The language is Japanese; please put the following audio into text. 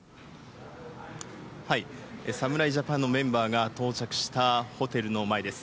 侍ジャパンのメンバーが到着したホテルの前です。